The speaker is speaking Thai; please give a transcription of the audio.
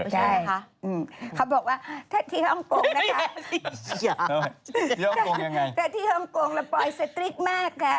ใช่เขาบอกว่าถ้าที่ฮงกงนะคะ